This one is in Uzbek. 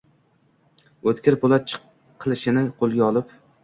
O’tkir po’lat qilichini qo’lga olib